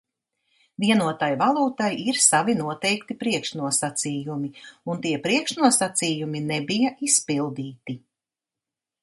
Vienotai valūtai ir savi noteikti priekšnosacījumi, un tie priekšnosacījumi nebija izpildīti.